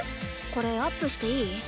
これアップしていい？